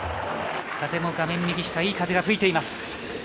風も画面右下、いい風が吹いています。